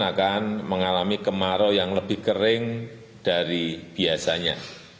akan mengalami kemarau yang lebih kering dari biasanya